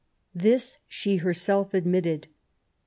This she herself admitted.